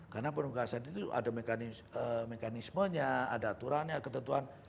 karena penugasan itu ada mekanismenya ada aturannya ada ketentuan